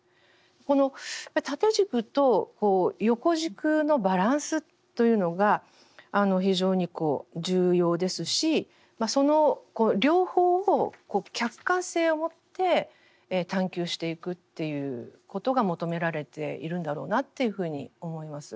この縦軸と横軸のバランスというのが非常に重要ですしその両方を客観性を持って探究していくっていうことが求められているんだろうなというふうに思います。